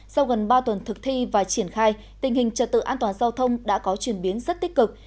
sau gần ba tuần thực thi và triển khai tình hình trật tự an toàn giao thông đã có chuyển biến rất tích cực